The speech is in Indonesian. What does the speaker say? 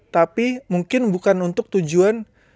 tapi mungkin bukan untuk tujuan